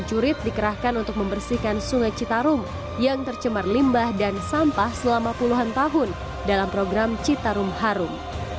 dua puluh tujuh unit dikerahkan untuk membersihkan sungai citarum yang tercemar limbah dan sampah selama puluhan tahun dalam program citarum harum